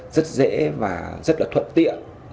rất dễ và rất là thuận tiện